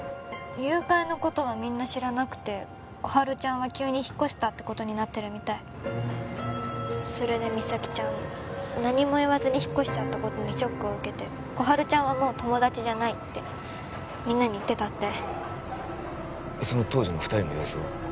誘拐のことはみんな知らなくて心春ちゃんは急に引っ越したってことになってるみたいそれで実咲ちゃん何も言わずに引っ越しちゃったことにショックを受けて心春ちゃんはもう友達じゃないってみんなに言ってたってその当時の二人の様子は？